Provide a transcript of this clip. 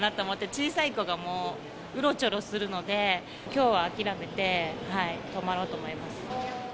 小さい子がもううろちょろするので、きょうは諦めて、泊まろうと思います。